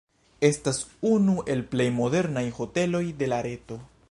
Estas unu el plej modernaj hoteloj de la reto.